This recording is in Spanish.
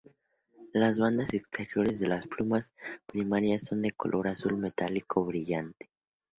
Las bandas exteriores de las plumas primarias son de color azul metálico brillante.